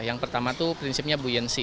yang pertama tuh prinsipnya buoyancy